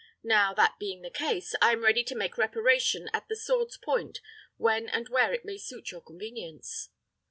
Now, that being the case, I am ready to make reparation at the sword's point when and where it may suit your convenience."